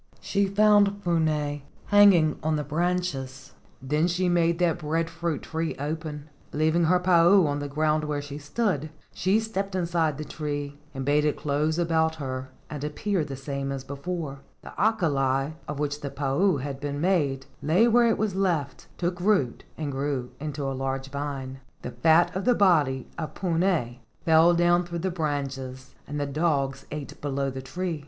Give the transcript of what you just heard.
She found Puna hanging on the branches. Then she made that breadfruit tree open. Leav¬ ing her pa u on the ground where she stood, she stepped inside the tree and bade it close about her and appear the same as before. The akala, of which the pa u had been made, lay where it was left, took root and grew into a large vine. i 62 LEGENDS OF GHOSTS The fat of the body of Puna fell down through the branches and the dogs ate below the tree.